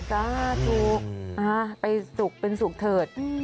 จ้าถูกไปสุกเป็นสุกเถิด